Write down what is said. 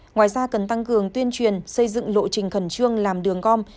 ngoài ra cần tăng cường tuyên truyền xây dựng lộ trình khẩn trương làm đường gom